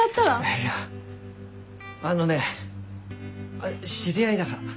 いやあのね知り合いだから。